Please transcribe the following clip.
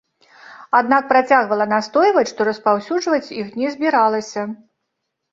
Аднак працягвала настойваць, што распаўсюджваць іх не збіралася.